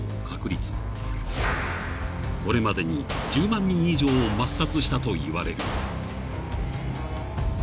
［これまでに１０万人以上を抹殺したといわれる］